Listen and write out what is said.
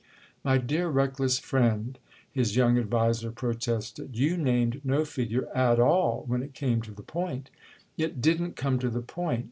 "My dear reckless friend," his young adviser protested, "you named no figure at all when it came to the point——!" "It didn't come to the point!